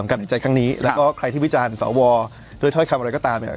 การใจข้างนี้แล้วก็ใครที่วิจารณ์สาววอร์ด้วยท้อยคำอะไรก็ตามเนี้ย